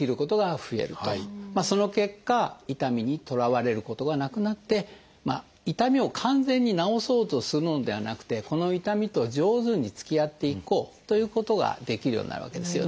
その結果痛みにとらわれることがなくなって痛みを完全に治そうとするのではなくてこの痛みと上手につきあっていこうということができるようになるわけですよね。